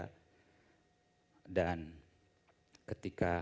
saya bisa bangun pagi pagi dengan tergesa gesa tentu saja